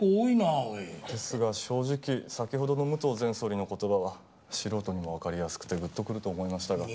ですが正直先ほどの武藤前総理の言葉は素人にもわかりやすくてグッとくると思いましたが。